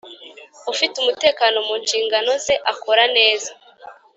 ufite umutekano mu nshingano ze akora neza